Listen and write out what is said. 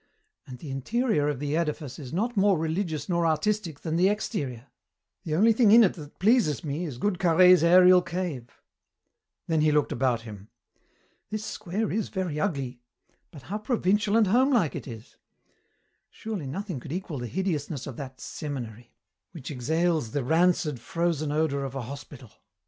"And the interior of the edifice is not more religious nor artistic than the exterior. The only thing in it that pleases me is good Carhaix's aërial cave." Then he looked about him. "This square is very ugly, but how provincial and homelike it is! Surely nothing could equal the hideousness of that seminary, which exhales the rancid, frozen odour of a hospital.